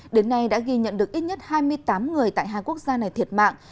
đến nay đã ghi nhận được ít nhất hai mươi tám người tại hai quốc gia này thiệt mạng